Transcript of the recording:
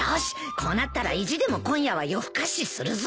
こうなったら意地でも今夜は夜更かしするぞ。